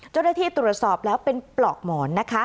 เจ้าหน้าที่ตรวจสอบแล้วเป็นปลอกหมอนนะคะ